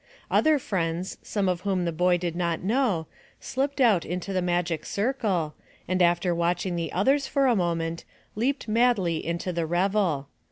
Other friends, some of whom the boy did not know, slipped out into the magic circle, and, after watching the others for a moment, leaped madly into the revel.